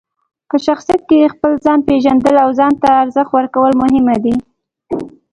په شخصیت کې خپل ځان پېژندل او ځان ته ارزښت ورکول مهم دي.